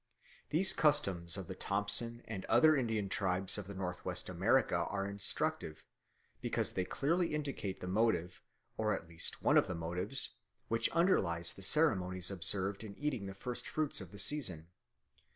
These customs of the Thompson and other Indian tribes of North West America are instructive, because they clearly indicate the motive, or at least one of the motives, which underlies the ceremonies observed at eating the first fruits of the season.